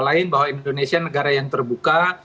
lain bahwa indonesia negara yang terbuka